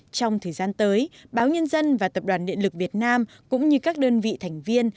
trong thời gian tới báo nhân dân và tập đoàn điện lực việt nam cũng như các đơn vị thành viên